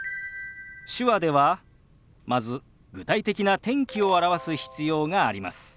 手話ではまず具体的な天気を表す必要があります。